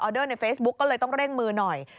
เดอร์ในเฟซบุ๊กก็เลยต้องเร่งมือหน่อย